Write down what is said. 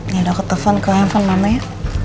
yaudah aku telfon ke handphone mama ya